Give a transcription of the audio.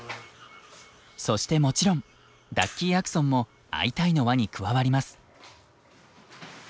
そしてもちろんダッキーアクソンも「アイタイ！」の輪に加わります。